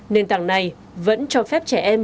nền tảng này vẫn cho phép trẻ em